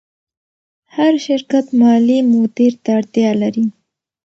هر شرکت مالي مدیر ته اړتیا لري.